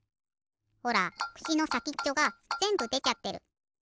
ほらくしのさきっちょがぜんぶでちゃってる。